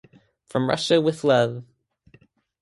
From Russia with love.